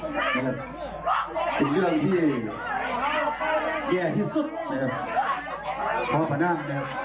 เป็นเรื่องที่แย่ที่สุดนึงคือพระนาม